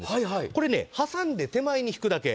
これね、挟んで手前に引くだけ。